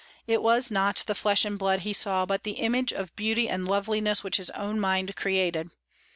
It was not the flesh and blood he saw, but the image of beauty and loveliness which his own mind created.